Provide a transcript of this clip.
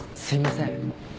すいません。